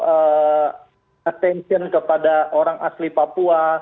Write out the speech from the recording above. atau atensi kepada orang asli papua